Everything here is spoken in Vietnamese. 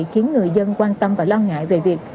khiến người dân quan tâm và lo ngại về việc